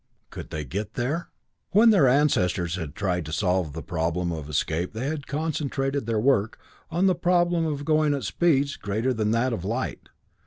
Could they get there? When their ancestors had tried to solve the problem of escape they had concentrated their work on the problem of going at speeds greater than that of light.